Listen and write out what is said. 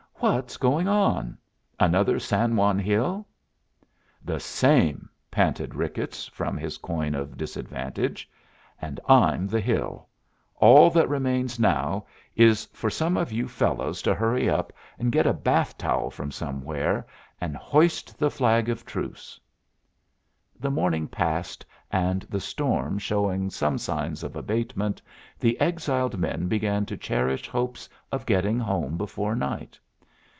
"What's going on? Another San Juan Hill?" "The same," panted Ricketts, from his coign of disadvantage. "And I'm the hill. All that remains now is for some of you fellows to hurry up, and get a bath towel from somewhere, and hoist the flag of truce." The morning passed, and the storm showing some signs of abatement, the exiled men began to cherish hopes of getting home before night.